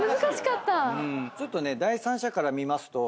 ちょっとね第三者から見ますと。